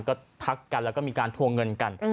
ก็ทักกันแล้วก็มีการทวงเงินกัน